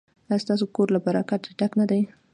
ایا ستاسو کور له برکت ډک نه دی؟